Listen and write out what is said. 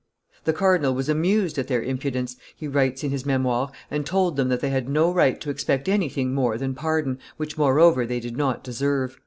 The cardinal was amused at their impudence, he writes in his Memoires, and told them that they had no right to expect anything more than pardon, which, moreover, they did not deserve.